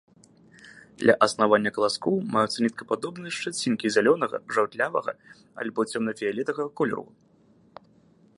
Ля аснавання каласкоў маюцца ніткападобныя шчацінкі зялёнага, жаўтлявага або цёмна-фіялетавага колеру.